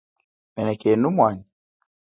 Menekenu mwanyi.